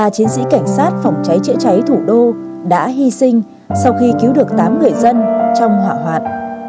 ba chiến sĩ cảnh sát phòng cháy chữa cháy thủ đô đã hy sinh sau khi cứu được tám người dân trong hỏa hoạn